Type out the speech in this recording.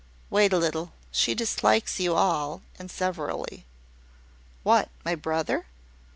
"Wait a little. She dislikes you, all and severally." "What, my brother?"